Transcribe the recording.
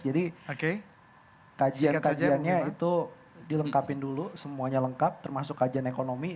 jadi kajian kajiannya itu dilengkapin dulu semuanya lengkap termasuk kajian ekonomi